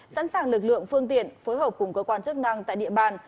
sẵn sàng lực lượng phương tiện phối hợp cùng cơ quan chức năng tại địa bàn